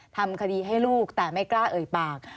ทำคดีให้ลูกแต่ไม่กล้าเอ่ยปาก